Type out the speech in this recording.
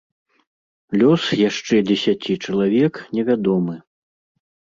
Лёс яшчэ дзесяці чалавек невядомы.